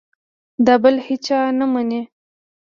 د بل هېچا نه مني.